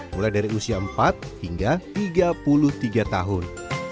mulai dari usia empat hingga tiga puluh tiga tahun